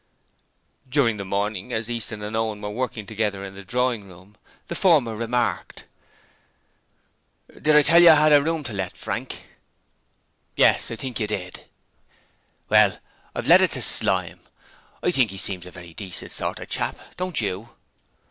During the morning, as Easton and Owen were working together in the drawing room, the former remarked: 'Did I tell you I had a room I wanted to let, Frank?' 'Yes, I think you did.' 'Well, I've let it to Slyme. I think he seems a very decent sort of chap, don't you?'